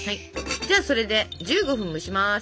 じゃあそれで１５分蒸します！